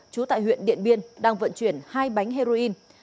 trú tại huyện điện biên đang vận chuyển hai bánh heroin